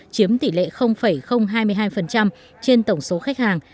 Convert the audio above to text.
chiếm tỷ lệ hai mươi hai trên tổng số khách hàng